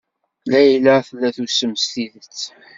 Layla tella tusem s tidet.